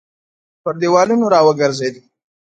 پر دېوالونو راوګرځېد.